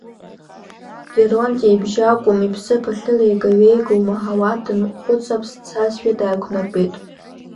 Геронти ибжьы акәым иԥсыԥ ахьылеигаҩеиго умаҳауа, дынхәыҵаԥс дцазшәа дааиқәнартәеит.